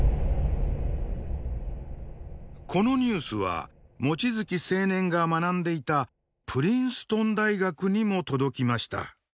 このニュースは望月青年が学んでいたプリンストン大学にも届きました。